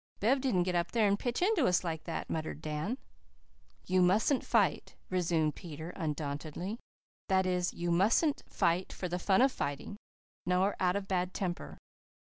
"Bev didn't get up there and pitch into us like that," muttered Dan. "You mustn't fight," resumed Peter undauntedly. "That is, you mustn't fight for the fun of fighting, nor out of bad temper.